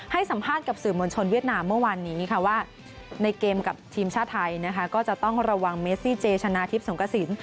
ให้สัมภาษณ์กับสื่อมวลชนเวียดนามเมื่อวานนี้ค่ะว่าในเกมกับทีมชาติไทยนะคะก็จะต้องระวังเมซี่เจชนะทิพย์สงกระสิน